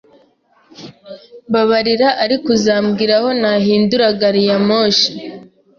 Mbabarira, ariko uzambwira aho nahindura gari ya moshi?